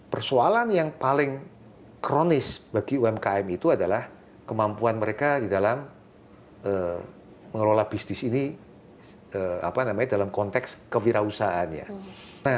persoalan yang paling kronis bagi umkm itu adalah kemampuan mereka di dalam mengelola bisnis ini dalam konteks kewirausahaan ya